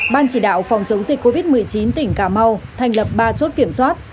ban chỉ đạo phòng chống dịch covid một mươi chín tỉnh cà mau thành lập ba chốt kiểm soát